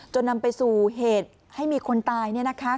จนนำไปสู่เหตุให้มีคนตายเนี่ยนะคะ